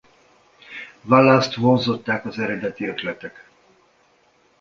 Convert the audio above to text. Wallace-t vonzották az eredeti ötletek.